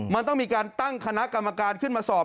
มันต้องมีการตั้งคณะกรรมการขึ้นมาสอบ